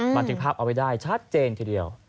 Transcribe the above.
บันทึกภาพเอาไว้ได้ชัดเจนทีเดียว